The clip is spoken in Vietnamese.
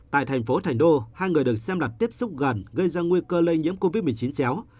tại thành phố thành đô hai người được xem là tiếp xúc gần gây ra nguy cơ lây nhiễm covid một mươi chín chéo